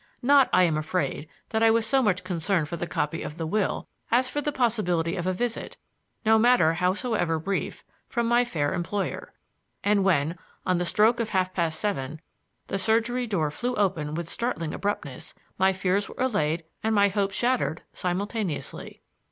Not, I am afraid, that I was so much concerned for the copy of the will as for the possibility of a visit, no matter howsoever brief, from my fair employer; and when, on the stroke of half past seven, the surgery door flew open with startling abruptness, my fears were allayed and my hopes shattered simultaneously.